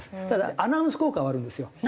ただアナウンス効果はあるんですよ。